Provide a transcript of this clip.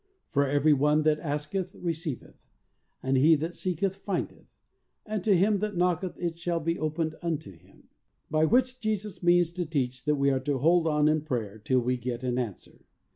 For every one that asketh receiveth, and he that seeketh find eth, and to him that knocketh it shall be opened unto him;" by which Jesus means to teach that we are to hold on in prayer till we get an answer.